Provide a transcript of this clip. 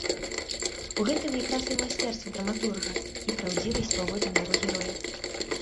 У гэтым якраз і майстэрства драматурга, і праўдзівасць паводзін яго герояў.